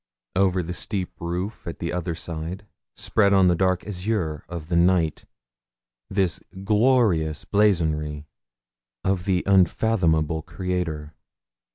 Over the steep roof at the other side spread on the dark azure of the night this glorious blazonry of the unfathomable Creator.